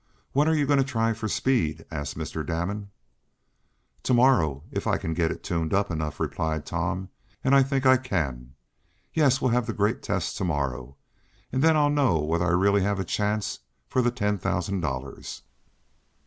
"When are you going to try for speed?" asked Mr. Damon. "To morrow, if I can get it tuned up enough," replied Tom, "and I think I can. Yes, we'll have the great test to morrow, and then I'll know whether I really have a chance for that ten thousand dollars."